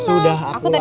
sudah aku larang